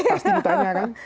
pasti ditanya kan